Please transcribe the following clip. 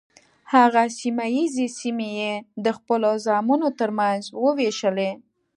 هغه سیمه ییزې سیمې یې د خپلو زامنو تر منځ وویشلې.